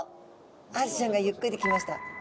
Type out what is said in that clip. アジちゃんがゆっくり来ました。